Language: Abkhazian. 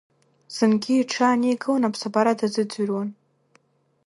Зынгьы иҽы ааникылан, аԥсабара дазыӡырҩуан.